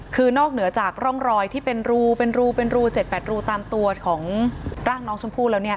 คือนอกเหนือจากร่องรอยที่เป็นรูเป็นรูเป็นรู๗๘รูตามตัวของร่างน้องชมพู่แล้วเนี่ย